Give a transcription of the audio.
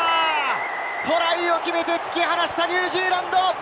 トライを決めて、突き放したニュージーランド！